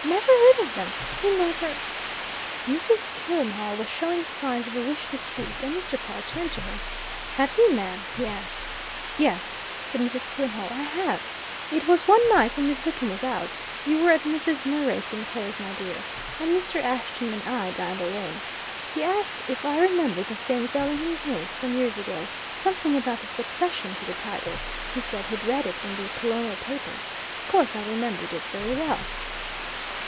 "Never heard of them. He never " Mrs. Killenhall was showing signs of a wish to speak, and Mr. Pawle turned to her. "Have you, ma'am?" he asked. "Yes," said Mrs. Killenhall, "I have! It was one night when Miss Wickham was out you were at Mrs. Murray Sinclair's, my dear and Mr. Ashton and I dined alone. He asked me if I remembered the famous Ellingham case, some years ago something about the succession to the title he said he'd read it in the Colonial papers. Of course, I remembered it very well."